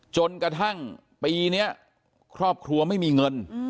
จนกระทั่งปีนี้ครอบครัวไม่มีเงิน